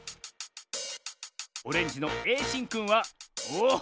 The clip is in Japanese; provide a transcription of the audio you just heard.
オレンジのえいしんくんはおお！